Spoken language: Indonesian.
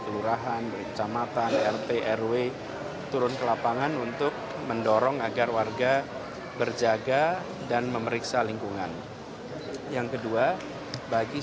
pemprov dki juga memastikan biaya pengobatan setiap pasien demam berdarah yang berobat di rsud ditanggung oleh pemprov dki